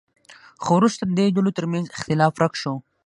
خو وروسته د دې ډلو ترمنځ اختلاف ورک شو.